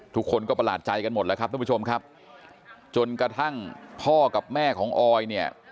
ทุกคนก็ประหลาดใจกันหมดแล้วครับทุกผู้ชมครับจนกระทั่งพ่อกับแม่ของออยเนี่ย